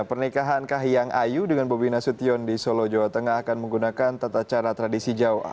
pernikahan kahiyang ayu dengan bobi nasution di solo jawa tengah akan menggunakan tata cara tradisi jawa